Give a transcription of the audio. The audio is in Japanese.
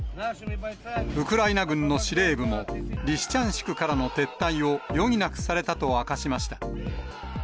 ウクライナ軍の司令部も、リシチャンシクからの撤退を余儀なくされたと明かしました。